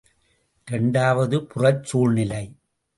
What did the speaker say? இரண்டாவது புறச் சூழ்நிலை.